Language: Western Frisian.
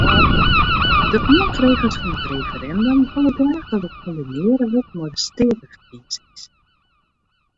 De oanfregers fan it referindum wolle graach dat it kombinearre wurdt mei de steateferkiezings.